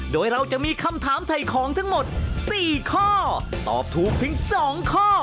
โดยเราจะมีคำถามถ่ายของทั้งหมด๔ข้อตอบถูกเพียง๒ข้อ